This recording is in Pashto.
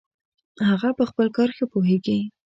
هغه په خپل کار ښه پوهیږي